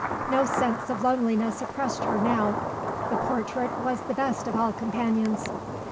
No sense of loneliness oppressed her now; the portrait was the best of all companions.